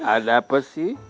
ada apa sih